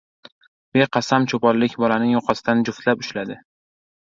Beqasam choponlik bolaning yoqasidan juftlab ushladi.